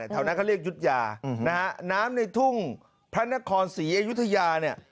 เท่านั้นเขาเรียกยุทยาน้ำในทุ่งพระนครศรีอยุธยา